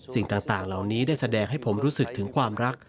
สิ่งต่างเหล่านี้ได้แสดงให้ผมรู้สึกถึงความรัก